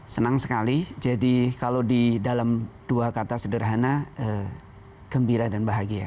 senang sekali jadi kalau di dalam dua kata sederhana gembira dan bahagia